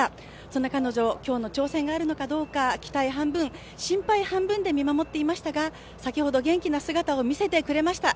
その彼女、今日の挑戦があるのかどうか、期待半分、心配半分で見守っていましたが、先ほど元気な姿を見せてくれました。